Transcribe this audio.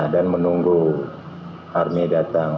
dan menunggu army datang